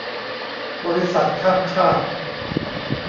บริษัทข้ามชาติ